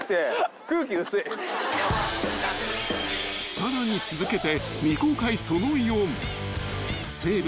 ［さらに続けて］